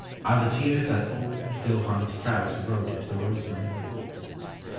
are the tears that old Johann Strauss wrote into the rosemary of his waltzes.